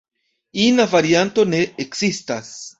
Ina varianto ne ekzistas.